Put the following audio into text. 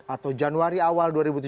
atau januari awal dua ribu tujuh belas